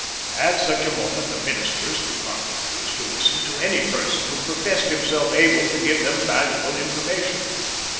At such a moment the ministers could not refuse to listen to any person who professed himself able to give them valuable information.